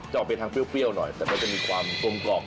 ออกไปทางเปรี้ยวหน่อยแต่ก็จะมีความกลมกล่อม